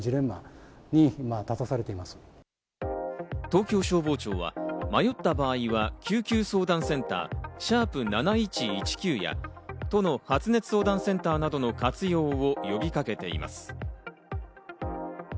東京消防庁は迷った場合は救急相談センター「＃７１１９」や都の発熱相談センターなどの活用を呼びかけています。